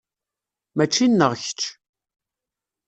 Mačči nneɣ kečč.